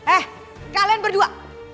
eh kalian berdua